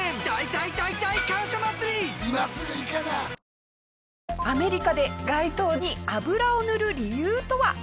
ニトリアメリカで街灯に油を塗る理由とは？